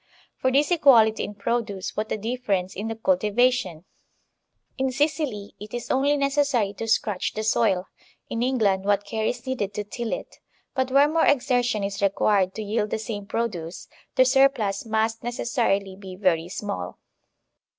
For this equality in produce what a difference in the cultivation! In Sicily it is only necessary to scratch the soil; in England what care is needed to till it! But where more exertion is required to ]rield the same produce, the surplus must necessarily be very small.